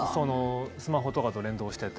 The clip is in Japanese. スマホとかと連動してて。